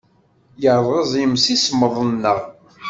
Yerreẓ yemsismeḍ-nneɣ.